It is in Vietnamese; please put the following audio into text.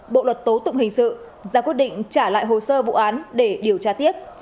bộ luật tố tụng hình sự ra quyết định trả lại hồ sơ vụ án để điều tra tiếp